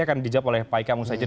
akan dijawab oleh pak ika musajad